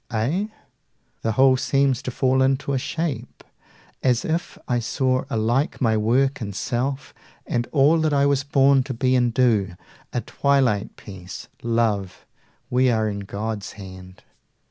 45 Eh? the whole seems to fall into a shape As if I saw alike my work and self And all that I was born to be and do, A twilight piece. Love, we are in God's hand.